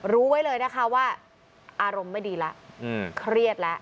รู้ไว้เลยนะคะว่าอารมณ์ไม่ดีแล้วเครียดแล้ว